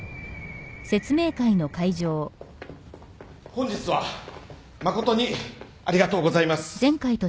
本日は誠にありがとうございます。